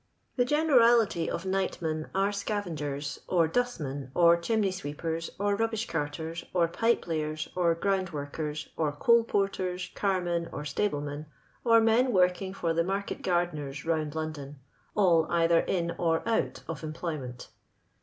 The generality of nightmen arc scavengers, or dustmen, or chimney sweepers, or rubbish carters, or pipe layers, or ground workers, or coal porters, carmen or stablemen, or men working for tho market garde n< rs rotmd I»u don — all either in or out of tinploymt nt.